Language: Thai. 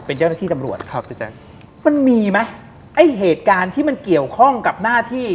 เป็นเจ้าหน้าที่จำรวจมันมีมั้ยไอ้เหตุการณ์ที่มันเกี่ยวข้องกับหน้าที่